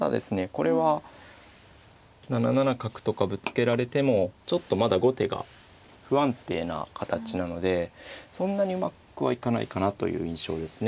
これは７七角とかぶつけられてもちょっとまだ後手が不安定な形なのでそんなにうまくはいかないかなという印象ですね。